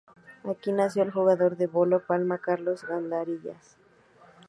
Aquí nació el jugador de bolo palma Carlos Gandarillas.